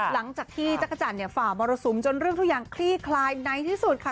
หลังจากที่จักรจันทร์ฝ่ามรสุมจนเรื่องทุกอย่างคลี่คลายในที่สุดค่ะ